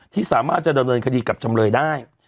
ที่สามารถจะดำเนินคดีกับจำเลยได้